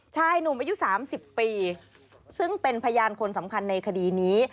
ชายหนุ่มอายุ๓๐ปีซึ่งเป็นพยานคนสำคัญในคดีนี้